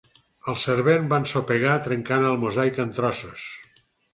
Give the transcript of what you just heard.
El servent va ensopegar trencant el mosaic en trossos.